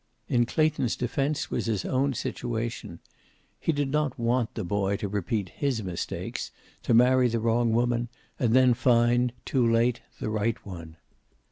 In Clayton's defense was his own situation. He did not want the boy to repeat his mistakes, to marry the wrong woman, and then find, too late, the right one.